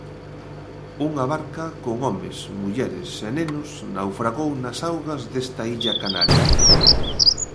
Unha barca con homes, mulleres e nenos naufragou nas augas desta illa canaria.